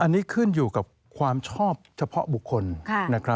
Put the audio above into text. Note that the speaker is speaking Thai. อันนี้ขึ้นอยู่กับความชอบเฉพาะบุคคลนะครับ